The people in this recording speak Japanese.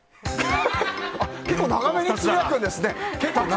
結構長めにつぶやくんですね。